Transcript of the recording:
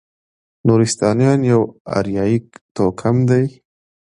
نورستانیان یو اریایي توکم دی.